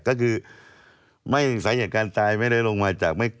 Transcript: ก็คือไม่มีสัยเหตุการณ์จายไม่ได้ลงมาจาก